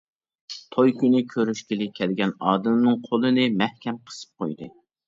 توي كۈنى كۆرۈشكىلى كەلگەن ئادىلنىڭ قولىنى مەھكەم قىسىپ قويدى.